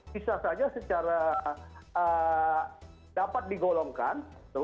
bisa saja secara dapat digolongkan